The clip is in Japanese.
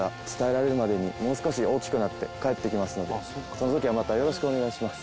その時はまたよろしくお願いします。